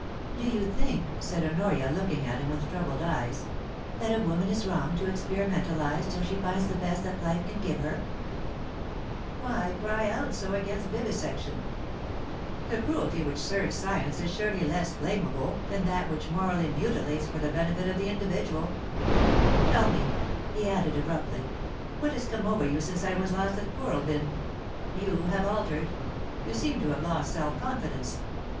* Do you think,' said Honoria, looking at him with troubled eyes, *that a woman is wrong to experimentalise till she finds the best that life can give her ?Why cry out so against vivisection ? The cruelty which serves science is surely less blamable than that which morally mutilates for the benefit of the individual Tell me,' he added abruptly, * what has come over you since I was last at Kooralbyn ? You have altered ; you seem to have lost self confidence.